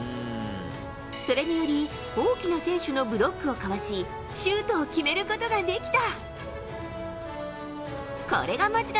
それにより大きな選手のブロックをかわしシュートを決めることができた。